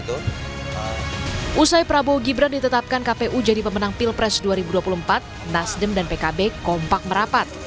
usai prabowo gibran ditetapkan kpu jadi pemenang pilpres dua ribu dua puluh empat nasdem dan pkb kompak merapat